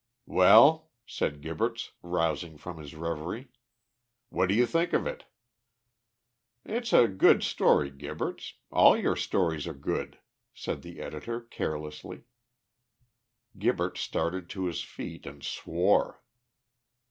"Well," said Gibberts, rousing from his reverie, "what do you think of it?" "It's a good story, Gibberts. All your stories are good," said the editor, carelessly. Gibberts started to his feet, and swore.